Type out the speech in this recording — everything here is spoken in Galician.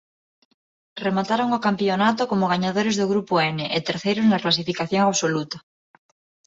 Remataron o campionato como gañadores do grupo N e terceiros na clasificación absoluta.